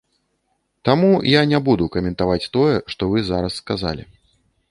Таму я не буду каментаваць тое, што вы зараз сказалі.